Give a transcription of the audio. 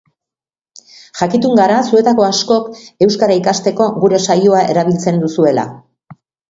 Jakitun gara zuetako askok euskara ikasteko gure saioa erabiltzen duzuela.